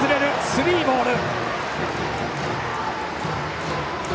スリーボール！